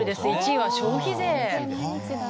１位は消費税。